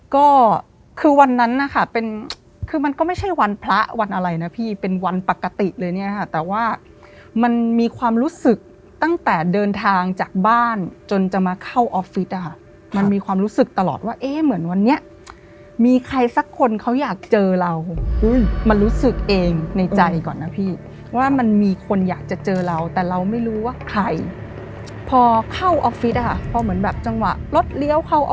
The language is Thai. ก็คือวันนั้นนะคะเป็นคือมันก็ไม่ใช่วันพระวันอะไรนะพี่เป็นวันปกติเลยเนี่ยค่ะแต่ว่ามันมีความรู้สึกตั้งแต่เดินทางจากบ้านจนจะมาเข้าออฟฟิศอะค่ะมันมีความรู้สึกตลอดว่าเอ๊ะเหมือนวันนี้มีใครสักคนเขาอยากเจอเรามันรู้สึกเองในใจก่อนนะพี่ว่ามันมีคนอยากจะเจอเราแต่เราไม่รู้ว่าใครพอเข้าออฟฟิศค่ะพอเหมือนแบบจังหวะรถเลี้ยวเข้า